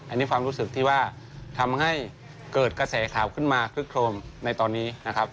อันนี้ความรู้สึกที่ว่าทำให้เกิดกระแสข่าวขึ้นมาคึกโครมในตอนนี้นะครับ